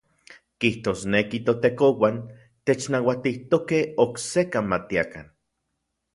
Kijtosneki ToTekouan technauatijtokej oksekan matiakan.